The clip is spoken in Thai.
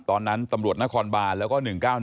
ตอนนั้นตำรวจนครบานแล้วก็๑๙๑